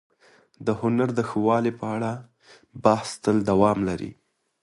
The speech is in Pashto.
د هنر د ښه والي په اړه بحث تل دوام لري.